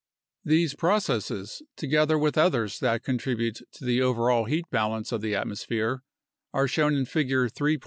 These processes, together with others that contribute to the overall heat balance of the atmosphere, are shown in Figure 3.